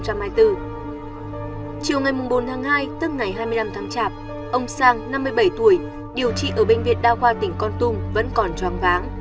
chiều ngày bốn tháng hai tức ngày hai mươi năm tháng chạp ông sang năm mươi bảy tuổi điều trị ở bệnh viện đa khoa tỉnh con tum vẫn còn choang váng